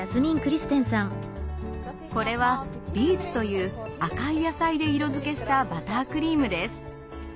これはビーツという赤い野菜で色づけしたバタークリームです。